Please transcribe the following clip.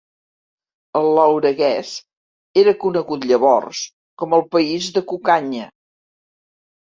El Lauraguès era conegut llavors com el País de Cucanya.